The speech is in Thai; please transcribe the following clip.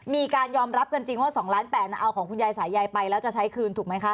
มีการยอมรับกันจริงว่า๒ล้าน๘เอาของคุณยายสายยายไปแล้วจะใช้คืนถูกไหมคะ